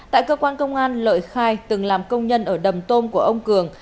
tại cơ quan công an lợi khai từng làm công nhân ở đầm tôm của ông cường